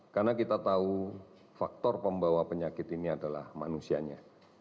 karena kita tahu faktor pembawa penyakit ini adalah manusianya